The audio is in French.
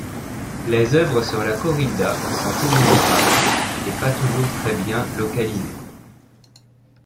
Les œuvres sur la corrida sont innombrables et pas toujours très bien localisées.